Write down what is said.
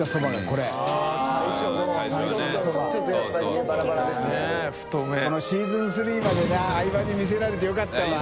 このシーズン３までが衢佞見せられてよかったわ。